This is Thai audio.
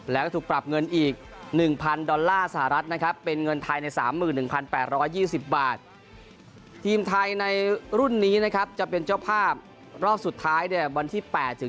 แล้วก็ถูกปรับเงินอีก๑๐๐ดอลลาร์สหรัฐนะครับเป็นเงินไทยใน๓๑๘๒๐บาททีมไทยในรุ่นนี้นะครับจะเป็นเจ้าภาพรอบสุดท้ายเนี่ยวันที่๘ถึง